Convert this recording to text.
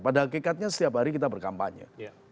pada hakikatnya setiap hari kita berkampanye